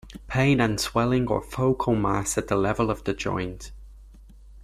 Pain and swelling or focal mass at the level of the joint.